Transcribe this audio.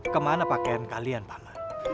kemana pakaian kalian paman